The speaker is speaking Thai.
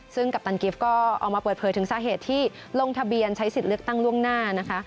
ซึ่งกัปตันกิฟต์ก็ออกมาเปิดเผยถึงสาเหตุที่ลงทะเบียนใช้สิทธิ์เลือกตั้งล่วงหน้านะคะ